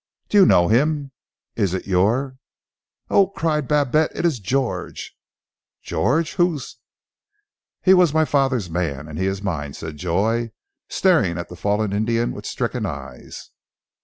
"Do you know him? Is it your " "Oh!" cried Babette. "It is George!" "George! Who is " "He was my father's man, and he is mine!" said Joy, staring at the fallen Indian with stricken eyes.